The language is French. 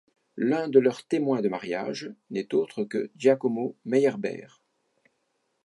L'un de leurs témoins de mariage n'est autre que Giacomo Meyerbeer.